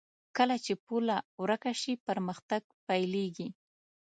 کله چې پوله ورکه شي، پرمختګ پيلېږي.